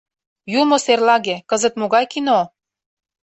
— Юмо серлаге, кызыт могай кино?